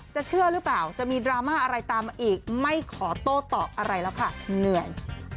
เชื่อหรือเปล่าจะมีดราม่าอะไรตามมาอีกไม่ขอโต้ตอบอะไรแล้วค่ะเหนื่อย